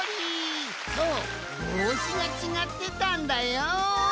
そうぼうしがちがってたんだよん。